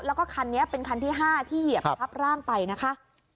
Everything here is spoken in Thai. แล้วก็คันนี้เป็นคันที่๕ที่เหยียบทับร่างไปนะคะ